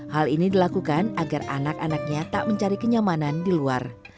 hal ini dilakukan agar anak anaknya tak mencari kenyamanan di luar